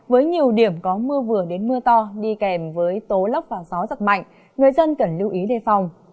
với nhiều điểm có mưa vừa đến mưa to đi kèm với tố lốc và gió giật mạnh người dân cần lưu ý đề phòng